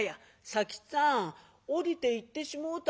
「佐吉っつぁん下りていってしもうたがや。